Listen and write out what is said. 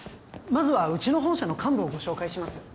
まずはうちの本社の幹部をご紹介します